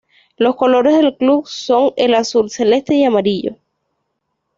Los colores del club son el azul celeste y amarillo.